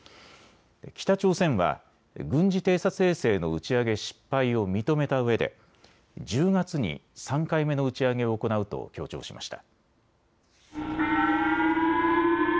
北朝鮮は軍事偵察衛星の打ち上げ失敗を認めたうえで１０月に３回目の打ち上げを行うと強調しました。